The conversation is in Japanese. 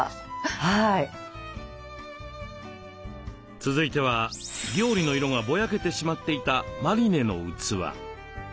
続いては料理の色がぼやけてしまっていたマリネの器。